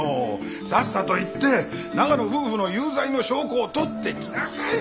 さっさと行って長野夫婦の有罪の証拠を取ってきなさい。